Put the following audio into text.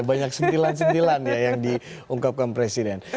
banyak sentilan sentilan ya yang diungkapkan presiden